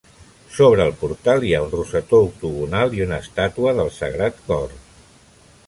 Sobre el portal hi ha un rosetó octogonal i una estàtua del Sagrat Cor.